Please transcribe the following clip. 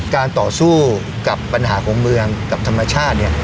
การต่อสู้กับปัญหาของเมืองกับธรรมชาติเนี่ย